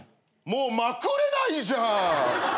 もうまくれないじゃん！